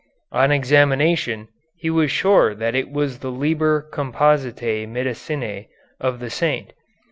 On examination, he was sure that it was the "Liber Compositæ Medicinæ" of the saint.